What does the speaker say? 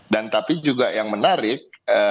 dan tapi juga yang menarik